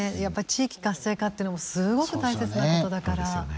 地域活性化っていうのもすごく大切なことだから。